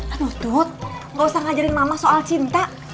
aduh tuh gak usah ngajarin mama soal cinta